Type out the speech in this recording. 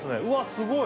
すごい！